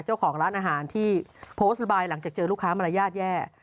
เจ้าของร้านอาหารที่โพสต์ระบายหลังจากเจอลูกค้ามารยาทแย่